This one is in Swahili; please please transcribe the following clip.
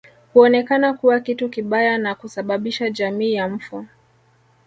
Huonekana kuwa kitu kibaya na kusababisha jamii ya mfu